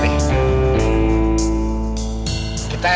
kita gak denger denger kapan kapan ku